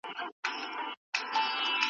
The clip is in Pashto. اوږدمهاله فشار روغتیا ته زیان رسوي.